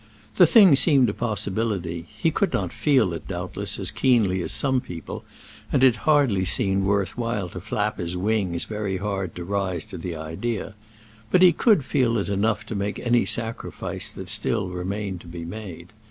The thing seemed a possibility; he could not feel it, doubtless, as keenly as some people, and it hardly seemed worth while to flap his wings very hard to rise to the idea; but he could feel it enough to make any sacrifice that still remained to be made.